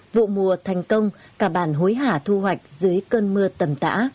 vụ mùa thành công cả bản hối hả thu hoạch dưới cơn mưa tầm tã